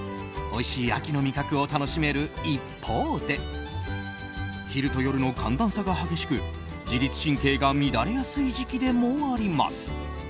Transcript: おいしい秋の味覚を楽しめる一方で昼と夜の寒暖差が激しく自律神経が乱れやすい時期でもあります。